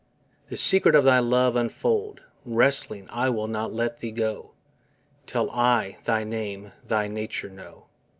The secret of thy love unfold; Wrestling I will not let Thee go, Till I thy name, thy nature know.